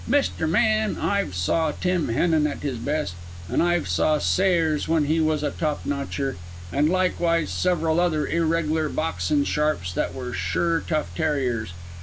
"Mister Man, I've saw Tim Henan at his best, an' I've saw Sayres when he was a top notcher, an' likewise several other irregler boxin' sharps that were sure tough tarriers.